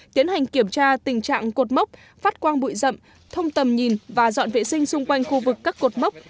tiến hành kiểm tra tình trạng cột mốc phát quang bụi rậm thông tầm nhìn và dọn vệ sinh xung quanh khu vực các cột mốc